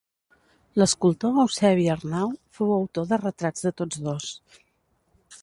L'escultor Eusebi Arnau fou autor de retrats de tots dos.